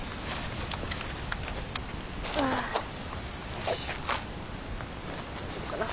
よいしょ大丈夫かな。